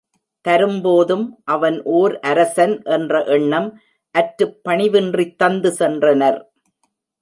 தரும்போதும், அவன் ஒர் அரசன் என்ற எண்ணம் அற்றுப் பணிவின்றித் தந்து சென்றனர்.